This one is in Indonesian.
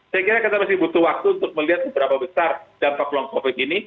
saya kira kita masih butuh waktu untuk melihat seberapa besar dampak long covid ini